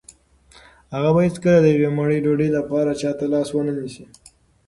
هغه به هیڅکله د یوې مړۍ ډوډۍ لپاره چا ته لاس ونه نیسي.